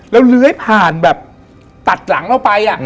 แล้วเลื้อยผ่านแบบตัดหลังเราไป